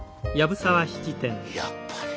やっぱり。